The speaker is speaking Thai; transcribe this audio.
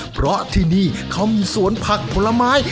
เพราะที่นี่เขามีสวนผักผลไม้